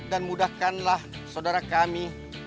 dan mudahkanlah sodara kami